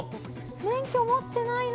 免許持ってないな。